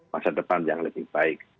masa depan yang lebih baik